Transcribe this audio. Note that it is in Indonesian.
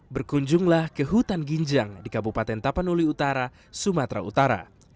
berkunjunglah ke hutan ginjang di kabupaten tapanuli utara sumatera utara